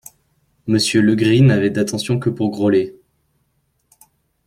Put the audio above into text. Monsieur Legris n'avait d'attention que pour Grollet.